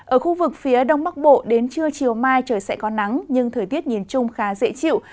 ở khu vực phía đông bắc bộ đến trưa chiều mai trời sẽ có nắng nhưng thời tiết nhìn chung khá dễ chịu